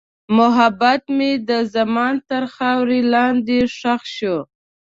محبت مې د زمان تر خاورې لاندې ښخ شو.